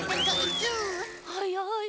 はい。